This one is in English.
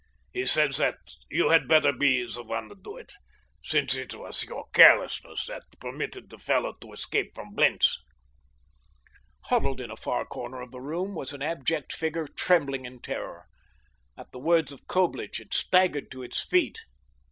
He said that you had better be the one to do it, since it was your carelessness that permitted the fellow to escape from Blentz." Huddled in a far corner of the room was an abject figure trembling in terror. At the words of Coblich it staggered to its feet.